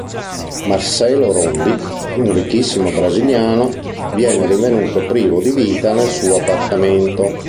Marcelo Rondi, un ricchissimo brasiliano, viene rinvenuto privo di vita nel suo appartamento.